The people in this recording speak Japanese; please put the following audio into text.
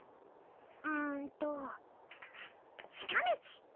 うんっと近道！